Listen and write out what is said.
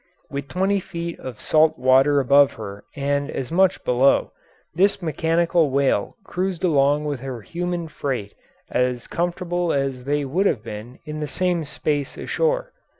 With twenty feet of salt water above her and as much below, this mechanical whale cruised along with her human freight as comfortable as they would have been in the same space ashore.